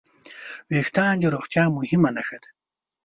وېښتيان د روغتیا مهمه نښه ده.